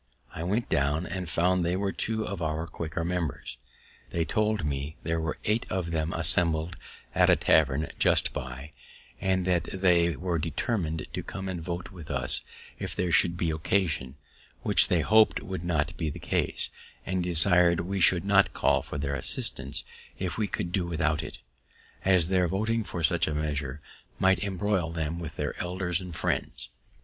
I went down, and found they were two of our Quaker members. They told me there were eight of them assembled at a tavern just by; that they were determin'd to come and vote with us if there should be occasion, which they hop'd would not be the case, and desir'd we would not call for their assistance if we could do without it, as their voting for such a measure might embroil them with their elders and friends.